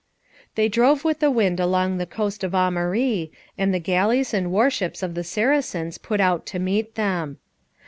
They drove with the wind along the coast of Aumarie, and the galleys and warships of the Saracens put out to meet them.